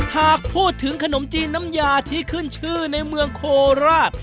หากพูดถึงขนมจีนน้ำยาที่ขึ้นชื่อในเมืองโคราช